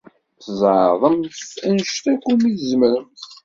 Tzeɛḍemt anect akk umi tzemremt.